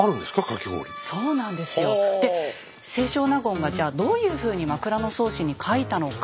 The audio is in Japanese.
で清少納言がじゃあどういうふうに「枕草子」に書いたのか。